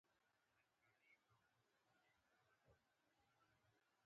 هېواد د ځلانده سپوږمۍ ملګری دی.